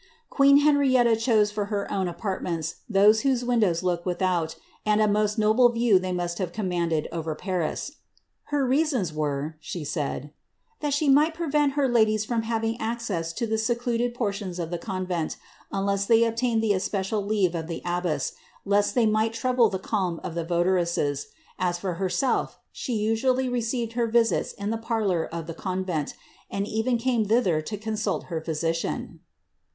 Queen Henrietta chose for her own apartments those whose windows looked without, and a most noble view they must have commanded over Paris ;^ her reasons were,^ she said, ^ that she might prevent her ladies from having access to the secluded portions of the convent, unlesi tliey obtained the especial leave of the abbess, lest they might trouble the calm of the votaresses ; as for herself, she usually received her visiu in the parlour of the convent, and even came thither to consult her phy* sician.